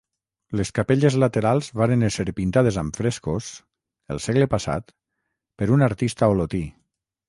Les capelles laterals varen ésser pintades amb frescos, el segle passat, per un artista olotí.